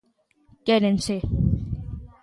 Quérense.